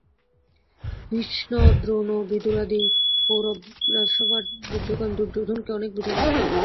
ভীষ্ম, দ্রোণ, বিদুরাদি কৌরবরাজসভার বৃদ্ধগণ দুর্যোধনকে অনেক বুঝাইলেন।